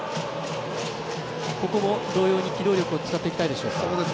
ここも同様に機動力を使っていきたいでしょうか？